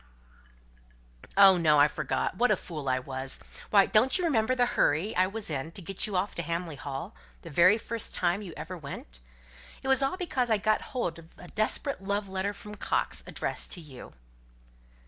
"Oh, no; I forgot. What a fool I was! Why, don't you remember the hurry I was in to get you off to Hamley Hall, the very first time you ever went? It was all because I got hold of a desperate love letter from Coxe, addressed to you."